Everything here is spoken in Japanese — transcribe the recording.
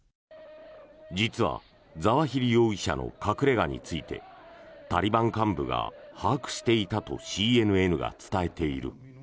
実はザワヒリ容疑者の隠れ家についてタリバン幹部が把握していたとＣＮＮが伝えている。